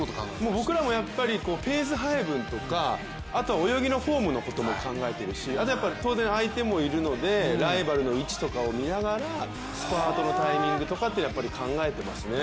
僕らもペース配分とかあと泳ぎのフォームのことも考えてるし、あと、当然、相手もいるのでライバルの位置とかを見ながらスパートのタイミングとかを考えてますね。